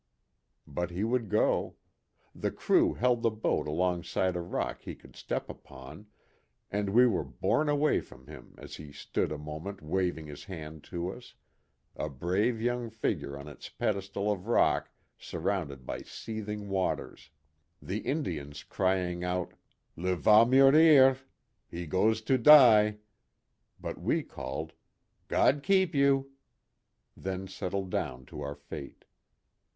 But he would go. The crew held the boat alongside a rock he could step upon, and we were borne away from him as he stood a mo ment waving his hand to us a brave young figure on its pedestal of rock surrounded by seething waters ; the Indians crying out, ""Leva murir. He goes to die !" but we called, " God . keep you !" then settled down to our fate.